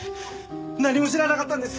何も知らなかったんです！